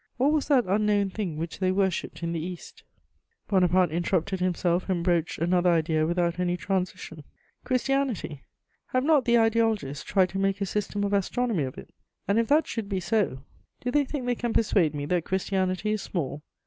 What was that unknown thing which they worshipped in the East?" Bonaparte interrupted himself and broached another idea without any transition: "Christianity! Have not the ideologists tried to make a system of astronomy of it? And if that should be so, do they think they can persuade me that Christianity is small?